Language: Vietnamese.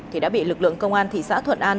thì đã bị lực lượng công an thị xã thuận an